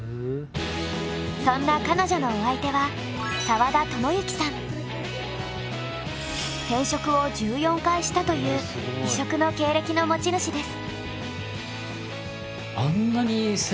そんな彼女のお相手は転職を１４回したという異色の経歴の持ち主です。